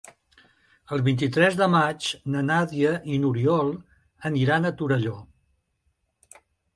El vint-i-tres de maig na Nàdia i n'Oriol aniran a Torelló.